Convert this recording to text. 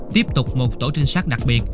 tiếp tục một tổ trinh sát đặc biệt